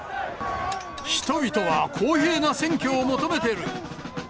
人々は公平な選挙を求めてる。